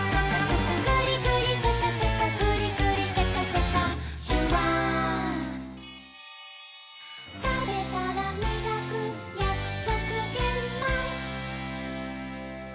「グリグリシャカシャカグリグリシャカシャカ」「シュワー」「たべたらみがくやくそくげんまん」